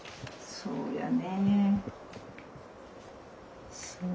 そうやね。